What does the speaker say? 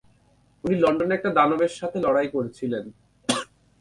উনি লন্ডনে একটা দানবের সাথে লড়াই করছিলেন।